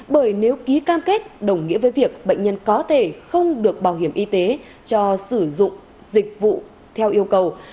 bởi nếu ký cam kết đồng nghĩa với việc bệnh nhân có thể không được bảo hiểm y tế cho sử dụng dịch vụ theo yêu cầu